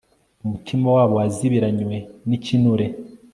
umutima wabo wazibiranywe n'ikinure